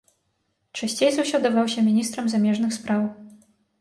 Часцей за ўсё даваўся міністрам замежных спраў.